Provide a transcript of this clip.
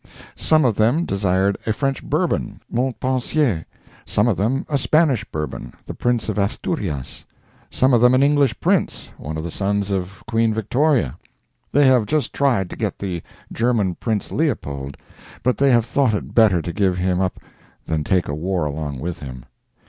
Some of them desired a French Bourbon, Montpensier; some of them a Spanish Bourbon, the Prince of Asturias; some of them an English prince, one of the sons of Queen Victoria. They have just tried to get the German Prince Leopold; but they have thought it better to give him up than take a war along with him.